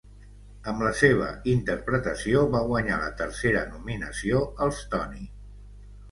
Amb la seva interpretació va guanyar la tercera nominació als Tony.